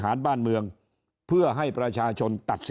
ก่อนจะให้เขาเสนอชื่อเป็นแคนดิเดตนายกรัฐมนตรี